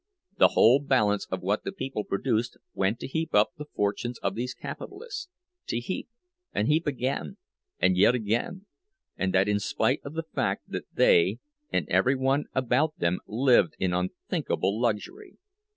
The whole balance of what the people produced went to heap up the fortunes of these capitalists, to heap, and heap again, and yet again—and that in spite of the fact that they, and every one about them, lived in unthinkable luxury!